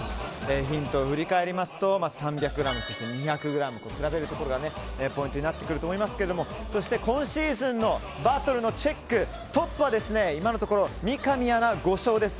ヒントを振り返りますと３００ｇ、２００ｇと比べるところがポイントになってくると思いますがそして今シーズンのバトルのチェックトップは今のところ、三上アナ５勝です。